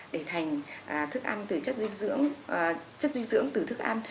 để thành chất dinh dưỡng từ thức ăn